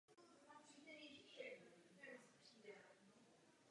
Jedno funkční období je pětileté.